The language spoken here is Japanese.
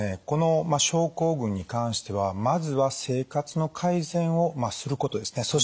この症候群に関してはまずは生活の改善をすることですね。